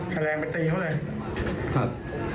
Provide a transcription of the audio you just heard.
ครับ